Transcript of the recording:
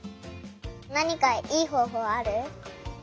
なにかいいほうほうある？